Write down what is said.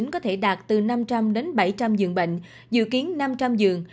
có thể đạt từ năm trăm linh đến bảy trăm linh dường bệnh dự kiến năm trăm linh dường